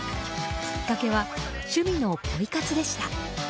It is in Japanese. きっかけは、趣味のポイ活でした。